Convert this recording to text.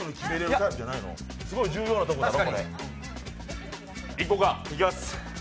すごい重要なとこなの？